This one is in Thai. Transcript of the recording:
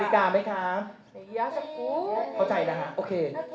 เข้าใจนะฮะโอเค